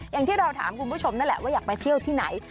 อย่างที่เราถามคุณผู้ชมนั่นแหละว่าอยากไปเที่ยวที่ไหน